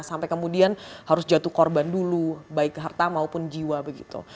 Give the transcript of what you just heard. sampai kemudian harus jatuh korban dulu baik harta maupun jiwa begitu